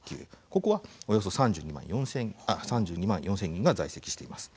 ここはおよそ３２万４０００人が在籍しています。